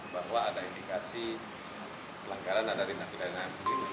bahwa ada indikasi pelanggaran dari nabi nabi